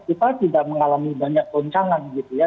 kita tidak mengalami banyak goncangan gitu ya